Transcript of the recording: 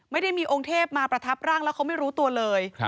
ไม่ได้มีองค์เทพมาประทับร่างแล้วเขาไม่รู้ตัวเลย